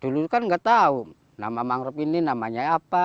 dulu kan nggak tahu nama mangrove ini namanya apa